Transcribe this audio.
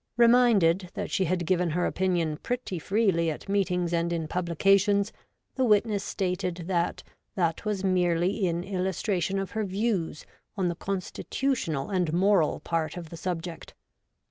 ' Reminded that she had given her opinion pretty freely at meetings and in publications, the witness stated that that was merely in illus tration of her views on the constitutional and moral part of the subject.